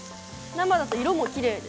生だと色もきれいですね。